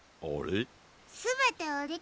あれ？